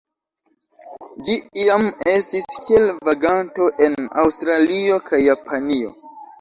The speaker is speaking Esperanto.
Ĝi iam estis kiel vaganto en Aŭstralio kaj Japanio.